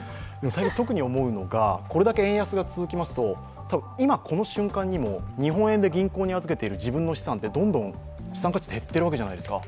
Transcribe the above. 最近特に思うのが、これだけ円安が続きますと今この瞬間にも日本円で銀行に預けている自分の資産ってどんどん資産価値減ってるわけじゃないですか。